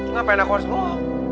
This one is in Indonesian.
ngapain aku harus bawa